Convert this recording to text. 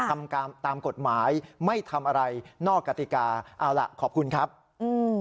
ทำตามตามกฎหมายไม่ทำอะไรนอกกติกาเอาล่ะขอบคุณครับอืม